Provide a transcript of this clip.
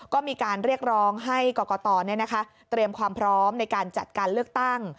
ก็มีการเรียกร้องให้กรกตเตรียมความพร้อมในการจัดการเลือกตั้ง